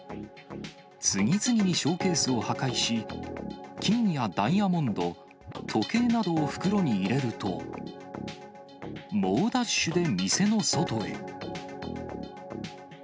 次々にショーケースを破壊し、金やダイヤモンド、時計などを袋に入れると、猛ダッシュで店の外へ。